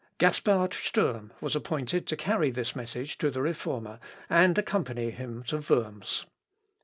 Gaspard Sturm was appointed to carry this message to the Reformer, and accompany him to Worms.